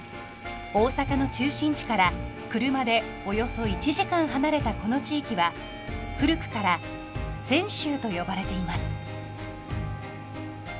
大阪の中心地から車でおよそ１時間離れたこの地域は古くから「泉州」と呼ばれています。